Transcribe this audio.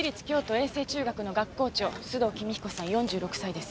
瑛成中学の学校長須藤公彦さん４６歳です。